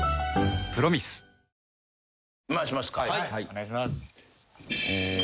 ・お願いします。